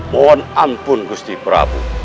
mohon ampun gusti prabu